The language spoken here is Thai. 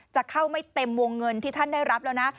จะเข้าไม่เต็มวงเงินที่ท่านได้รับแล้วนะ